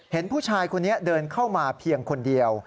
เห็นผู้ชายคนนี้เดินเข้ามาเพียงคนเดียว